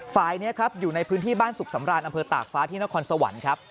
ฝ่ายนี้ครับอยู่ในพื้นที่บ้านสุขสำราญอำเภอตากฟ้าที่นครสวรรค์ครับ